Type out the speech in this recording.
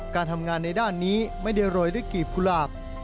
การทำงานในด้านนี้ไม่เดียวรอยลึกกลีบกุลาบ